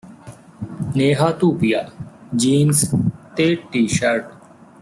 Neha Dhupia jeans ਤੇ T shirt